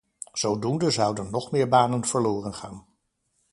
Zodoende zouden nog meer banen verloren gaan.